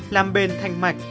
làm bền thanh mạch